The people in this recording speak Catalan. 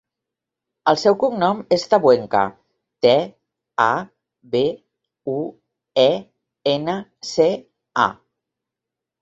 El seu cognom és Tabuenca: te, a, be, u, e, ena, ce, a.